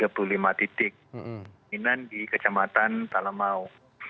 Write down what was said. yang menimbulkan meninggal di kecamatan talamau